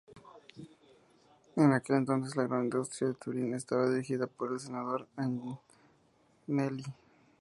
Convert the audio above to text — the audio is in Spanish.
En aquel entonces, la gran industria de Turín estaba dirigida por el Senador Agnelli.